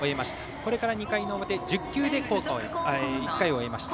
これから２回の表１０球で１回を終えました。